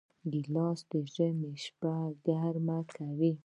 ګیلاس د ژمي شپه ګرمه کوي.